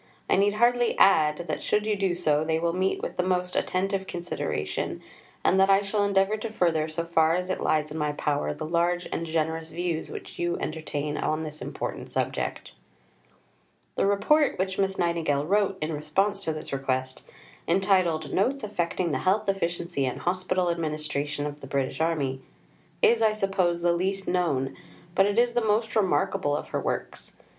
I need hardly add that, should you do so, they will meet with the most attentive consideration, and that I shall endeavour to further, so far as it lies in my power, the large and generous views which you entertain on this important subject." The Report which Miss Nightingale wrote in response to this request entitled Notes affecting the Health, Efficiency, and Hospital Administration of the British Army is, I suppose, the least known, but it is the most remarkable, of her works.